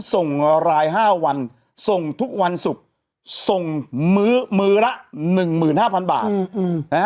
ส่งรายห้าวันส่งทุกวันศุกร์ส่งมื้อมื้อละหนึ่งหมื่นห้าพันบาทอืมอืม